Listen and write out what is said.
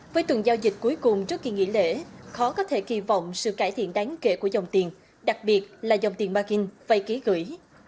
với tuần giao dịch cuối cùng trước kỳ nghỉ lễ khó có thể kỳ vọng sự cải thiện đáng kể của dòng tiền đặc biệt là dòng tiền margin vay ký gửi